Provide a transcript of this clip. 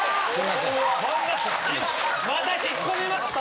・また引っ込みます。